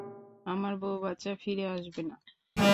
আমার বউ-বাচ্চা ফিরে আসবে না।